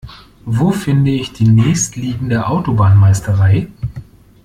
Wo finde ich die nächstliegende Autobahnmeisterei?